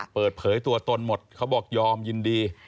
เปิดเผยตัวตนหมดเขาบอกยอมยินดี